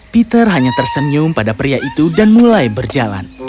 peter hanya tersenyum pada pria itu dan mulai berjalan